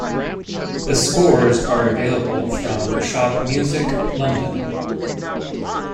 The scores are available from Schott Music, London.